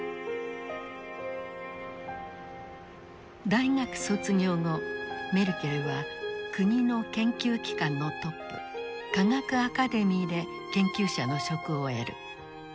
大学卒業後メルケルは国の研究機関のトップ科学アカデミーで研究者の職を得る。